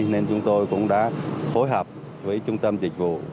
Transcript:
nên chúng tôi cũng đã phối hợp với trung tâm dịch vụ